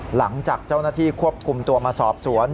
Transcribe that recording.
หลังจากเจ้าหน้าที่ควบคุมตัวมาสอบสวน